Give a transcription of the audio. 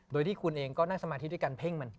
โดยที่คุณเองก็นั่งสมาธิด้วยการเพ่งมัน